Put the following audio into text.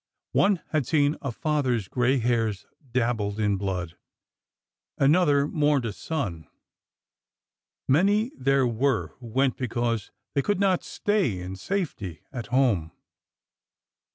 One had seen a father's gray hairs dabbled in blood. An other mourned a son. Many there were who went be cause they could not stay in safety at home.